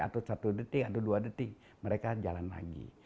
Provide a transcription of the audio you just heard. atau satu detik atau dua detik mereka jalan lagi